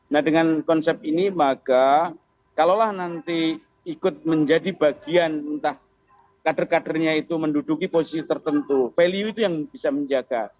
nah dengan konsep ini maka kalaulah nanti ikut menjadi bagian entah kader kadernya itu menduduki posisi tertentu value itu yang bisa menjaga